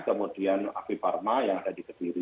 kemudian pt api parwa yang ada di kediri